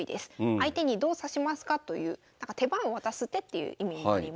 相手にどう指しますかという手番を渡す手っていう意味になります。